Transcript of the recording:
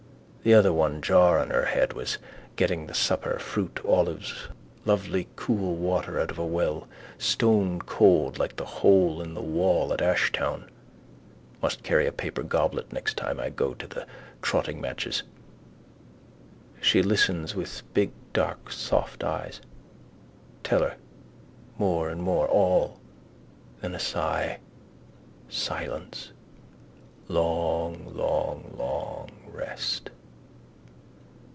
The other one, jar on her head, was getting the supper: fruit, olives, lovely cool water out of a well, stonecold like the hole in the wall at Ashtown. Must carry a paper goblet next time I go to the trottingmatches. She listens with big dark soft eyes. Tell her: more and more: all. Then a sigh: silence. Long long long rest.